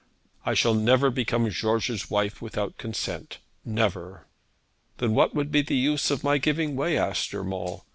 'I shall never become George's wife without consent; never.' 'Then what would be the use of my giving way?' asked Urmand.